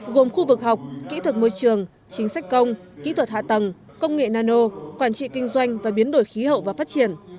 gồm khu vực học kỹ thuật môi trường chính sách công kỹ thuật hạ tầng công nghệ nano quản trị kinh doanh và biến đổi khí hậu và phát triển